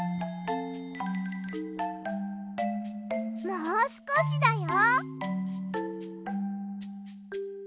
もうすこしだよ。